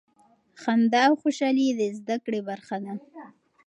خندا او خوشحالي د زده کړې برخه ده.